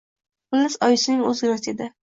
Xullas, oyisining o`zginasi edi